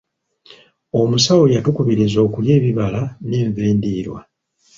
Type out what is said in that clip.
Omusawo yatukubiriza okulya ebibala n'enva endiirwa.